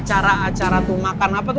cara acara tuh makan apa tuh